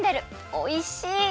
おいしい！